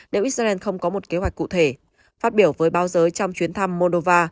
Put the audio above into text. nếu israel không có một kế hoạch cụ thể phát biểu với báo giới trong chuyến thăm moldova